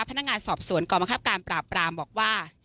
พนักงานสอบสวนกรมคับการปราบปรามบอกว่า